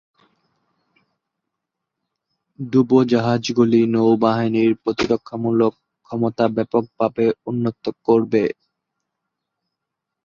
ডুবোজাহাজগুলি নৌবাহিনীর প্রতিরক্ষামূলক ক্ষমতা ব্যাপকভাবে উন্নত করবে।